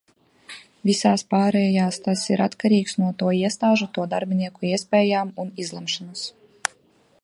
Visās pārējās tas ir atkarīgs no to iestāžu, to darbinieku iespējām un izlemšanas.